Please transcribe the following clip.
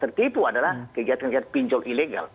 tertipu adalah kegiatan kegiatan pinjol ilegal